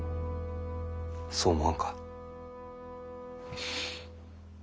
そう思わんか？